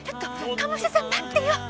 鴨志田さん待ってよ。